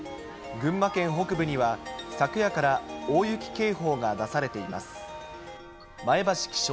群馬県北部には、昨夜から大雪警報が出されています。